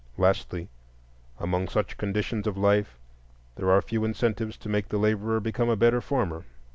Lastly, among such conditions of life there are few incentives to make the laborer become a better farmer.